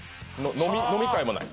飲み会もない？